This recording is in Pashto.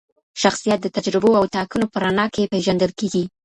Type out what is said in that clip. شخصیت د تجربو او ټاکنو په رڼا کي پیژندل کیږي.